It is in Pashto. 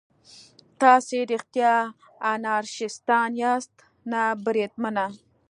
تاسې رښتیا انارشیستان یاست؟ نه بریدمنه.